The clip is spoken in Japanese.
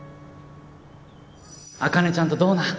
茜ちゃんとどうなん？